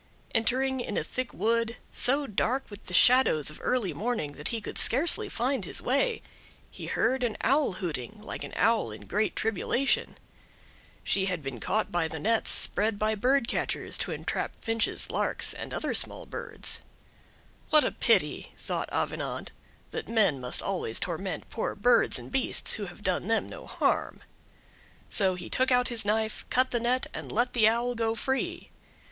Entering in a thick wood, so dark with the shadows of early morning that he could scarcely find his way, he heard an Owl hooting, like an owl in great tribulation. She had been caught by the nets spread by bird catchers to entrap finches, larks, and other small birds. "What a pity," thought Avenant, "that men must always torment poor birds and beasts who have done them no harm!" So he took out his knife, cut the net, and let the Owl go free.